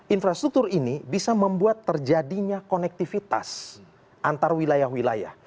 infrastruktur ini bisa membuat terjadinya konektivitas antar wilayah wilayah